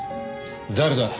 誰だ？